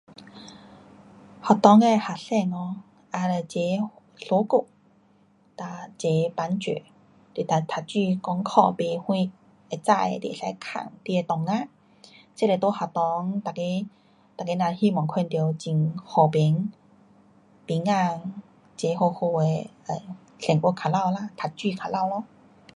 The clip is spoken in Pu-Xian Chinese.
学堂的学生 um 也要齐相顾，哒齐帮助，你若读书功课不什会知的，你可以问你的同学，这是在学堂每个，每个人希望看到，很和平，平安，齐好好的生活靠牢啦，读书靠牢咯。